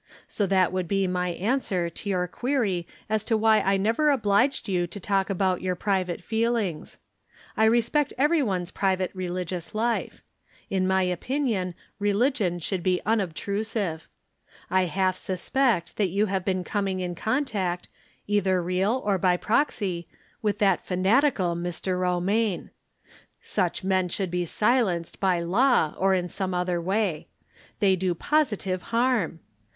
So that would be my answer to your query as to why I never obliged you to talk about your private feelings. I respect every one's private 86 From Different Standpoints. religious life. In my opinion religion should be unobtrusive. I half suspect that you have been coming in contact, either real or by proxy, with that fanatical Mr. Eomaine. Such men should be silenced by law or in some other "way. They do positive harm.